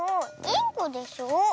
インコでしょ。